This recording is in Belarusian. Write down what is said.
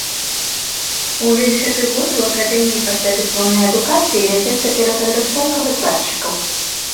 Увесь гэты год у акадэміі паслядыпломнай адукацыі вядзецца перападрыхтоўка выкладчыкаў.